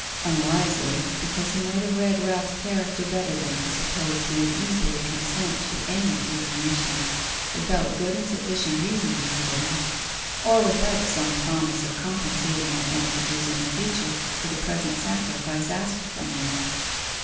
"Unwisely," because he might have read Ralph's character better than to suppose he would easily consent to any diminution without good and sufficient reason being given; or without some promise of compensating advantages in the future for the present sacrifice asked from him.